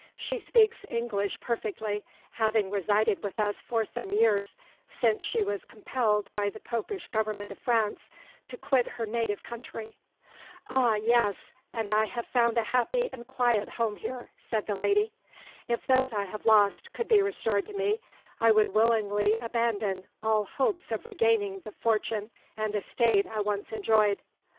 "She speaks English perfectly, having resided with us for some years, since she was compelled by the Popish Government of France to quit her native country." "Ah, yes; and I have found a happy and quiet home here," said the lady. "If those I have lost could be restored to me, I would willingly abandon all hopes of regaining the fortune and estate I once enjoyed.